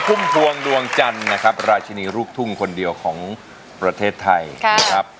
ภูมิภวงดวงจันทร์นะครับราชินีลูกทุ่งคนเดียวของประเทศไทย